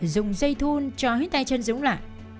dùng dây thun cho hết tay chân dũng lại